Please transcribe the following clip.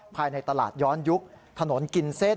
ภายในตลาดย้อนยุคถนนกินเส้น